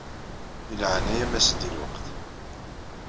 Di leɛnaya-m as-d di lweqt.